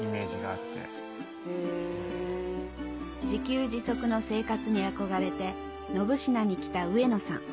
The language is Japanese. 自給自足の生活に憧れて信級に来た植野さん